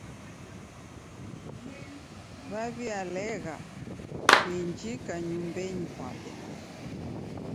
Waw'ialegha kuinjika nyumbenyi kwape.